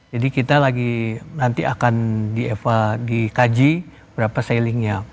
jadi kita lagi nanti akan dikaji berapa sellingnya